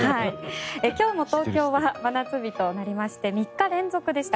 今日も東京は真夏日となりまして３日連続でした。